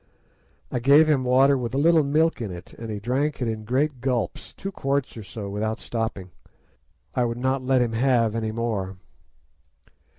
"I gave him water with a little milk in it, and he drank it in great gulps, two quarts or so, without stopping. I would not let him have any more.